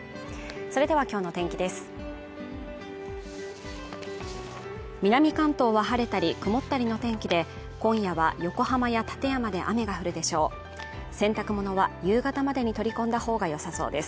それではきょうの天気です